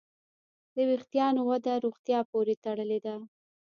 د وېښتیانو وده روغتیا پورې تړلې ده.